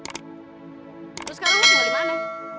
terus sekarang lu tinggal di mana